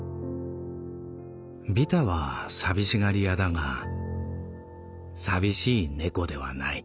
ビタは寂しがり屋だが淋しい猫ではない」。